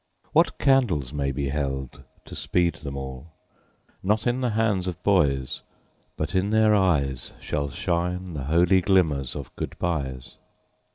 What candles may be held to speed them all? Not in the hands of boys, but in their eyes Shall shine the holy glimmers of good byes.